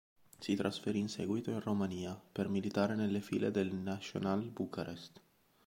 Si trasferì in seguito in Romania, per militare nelle file del Național Bucarest.